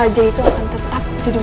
raja itu akan tetap di beli kamu